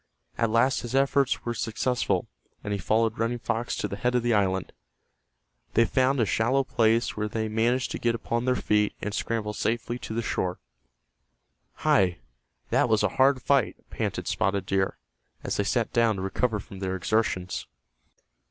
At last his efforts were successful, and he followed Running Fox to the head of the island. They found a shallow place where they managed to get upon their feet and scramble safely to the shore. "Hi, that was a hard fight," panted Spotted Deer, as they sat down to recover from their exertions.